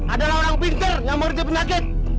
adalah orang pintar yang merja penyakit